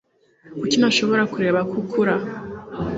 kuki ntashobora kureba ko ukura?